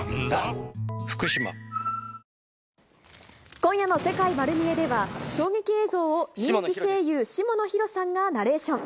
今夜の世界まる見え！では、衝撃映像を、人気声優、下野紘さんがナレーション。